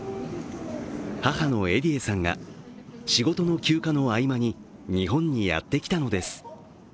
母のエディエさんが仕事の休暇の合間に日本にやってきたのです。